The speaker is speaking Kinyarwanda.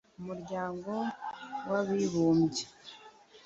Umuryango w’abibumbye.